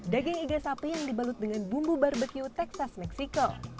daging iga sapi yang dibalut dengan bumbu barbecue texas meksiko